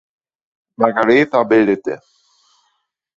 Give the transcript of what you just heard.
Margaretha bildete.